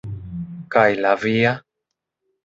Kaj la via?